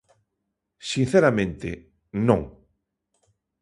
Sinceramente, non.